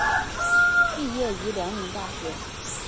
毕业于辽宁大学。